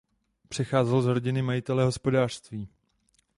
Pocházel z rodiny majitele hospodářství.